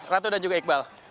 ratu dan juga iqbal